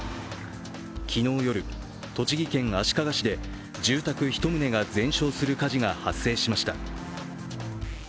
昨日夜、栃木県足利市で住宅１棟が全焼する火事が発生しました。